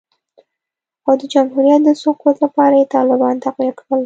او د جمهوریت د سقوط لپاره یې طالبان تقویه کړل